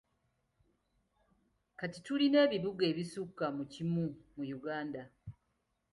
Kati tulina ebibuga ebisukka mu kimu mu Uganda.